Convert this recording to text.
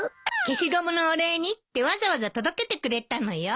消しゴムのお礼にってわざわざ届けてくれたのよ。